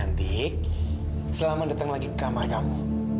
cantik selamat datang lagi ke kamar kamu